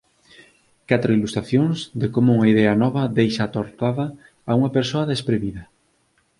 Catro ilustracións de como unha idea nova deixa atordada a unha persoa desprevida